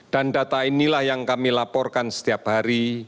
dan data inilah yang kami laporkan setiap hari